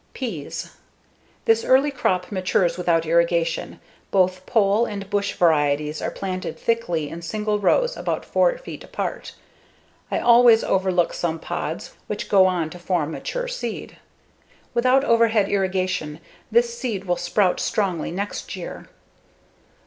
Peas This early crop matures without irrigation. Both pole and bush varieties are planted thickly in single rows about 4 feet apart. I always overlook some pods, which go on to form mature seed. Without overhead irrigation, this seed will sprout strongly next year.